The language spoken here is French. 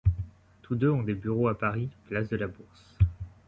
Toutes deux ont des bureaux à Paris, place de la Bourse.